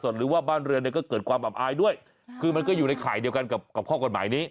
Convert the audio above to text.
คือมันก็อยู่ในข่ายเดียวกันกับข้อกฎหมายนี้